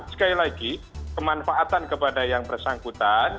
sekali lagi kemanfaatan kepada yang bersangkutan